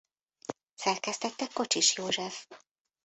Szerkesztette Kocsis József.